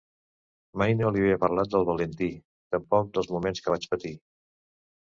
Mai no li havia parlat del Valentí, tampoc dels moments que vaig patir...